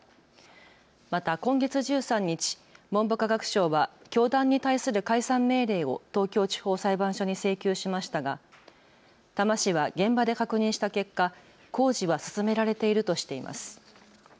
また今月１３日、文部科学省は教団に対する解散命令を東京地方裁判所に請求しましたが多摩市は現場で確認した結果、工事は進められているとしています。